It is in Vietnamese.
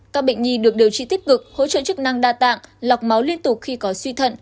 các bệnh nhi được điều trị tích cực hỗ trợ chức năng đa tạng lọc máu liên tục khi có suy thận